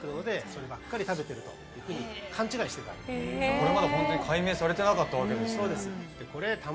これまでホントに解明されてなかったわけですね。